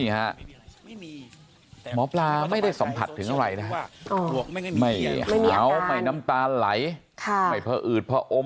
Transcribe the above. หมอปลาไม่ได้สัมผัสถึงอะไรนะไม่เหงาไม่น้ำตาไหลไม่พออืดพออม